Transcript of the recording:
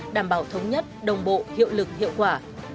đảm bảo thống nhất đồng bộ hiệu lực hiệu quả